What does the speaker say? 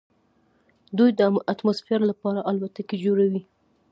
دوی د اتموسفیر لپاره الوتکې جوړوي.